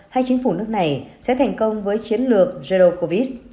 hay chính phủ nước này sẽ thành công với chiến lược dây đô covid